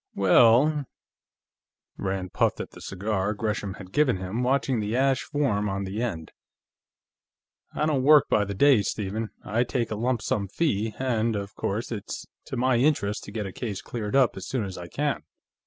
"Well " Rand puffed at the cigar Gresham had given him, watching the ash form on the end. "I don't work by the day, Stephen. I take a lump sum fee, and, of course, it's to my interest to get a case cleared up as soon as I can.